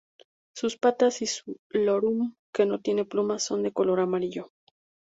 Sus patas y su lorum, que no tiene plumas, son de color amarillo.